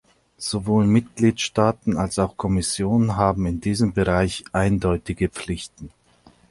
Sowohl Mitgliedstaaten als auch Kommission haben in diesem Bereich eindeutige Pflichten.